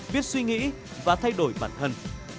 biết suy nghĩ và thay đổi bản thân